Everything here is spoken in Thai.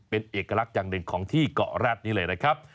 เป็นเอกลักษณ์อย่างหนึ่งของที่เกาะแร็ดนี้เลยนะครับ